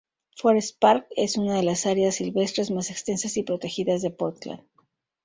Forest Park es una de las áreas silvestres más extensas y protegidas de Portland.